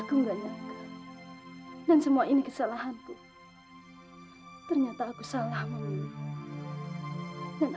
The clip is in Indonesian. kau akan menerita kesantan